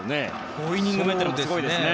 ５イニング目というのもすごいですね。